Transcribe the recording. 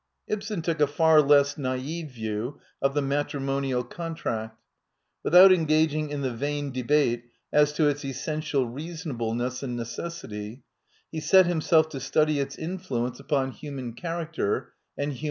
Ibsen took a far less naive view of the matri monial contract. Without engaging in the vain debate as to its essential reasonableness and neces sity, hcjct himself to study its influence upon human viii Digitized by VjOOQIC «s INTRODUCTION c haracter and hum?